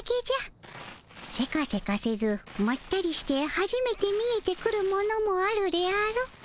セカセカせずまったりしてはじめて見えてくるものもあるであろ？